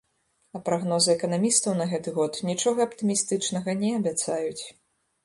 А прагнозы эканамістаў на гэты год нічога аптымістычнага не абяцаюць.